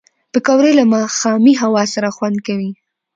پکورې له ماښامي هوا سره خوند کوي